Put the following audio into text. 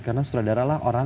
karena sutradaralah orang